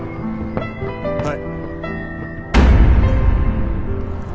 はい！